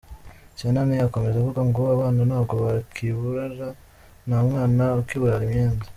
Sanani akomeza avuga, ngo “Abana ntabwo bakiburara, nta mwana ukibura imyenda.